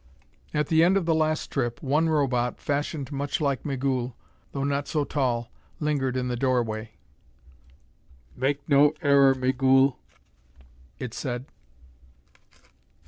At the end of the last trip, one Robot, fashioned much like Migul though not so tall, lingered in the doorway. "Make no error, Migul," it said.